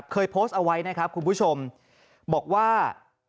เคยโพสต์เอาไว้นะครับคุณผู้ชมบอกว่า